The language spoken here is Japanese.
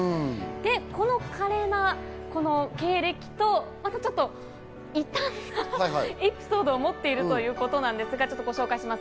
この華麗な経歴と異端なエピソードを持っているということなんですが、ご紹介します。